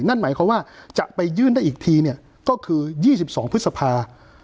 นั่นหมายความว่าจะไปยื่นได้อีกทีเนี่ยก็คือ๒๒พฤษภา